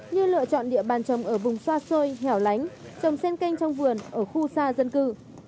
như lựa chọn địa bàn trồng ở vùng xa xôi hẻo lánh trồng sen canh trong vườn ở khu xa dân cư